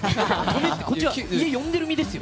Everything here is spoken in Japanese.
こっちは家に呼んでいる身ですよ。